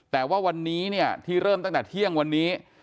แต่ว่าวันนี้เนี่ยที่เริ่มตั้งแต่เที่ยงวันนี้